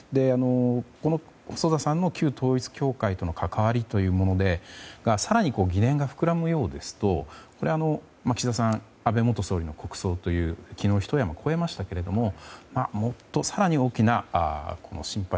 この細田さんの旧統一教会との関わりというものが更に疑念が膨らむようですとこれは、岸田さん安倍元総理の国葬という昨日、ひと山越えましたけどももっと更に大きな心配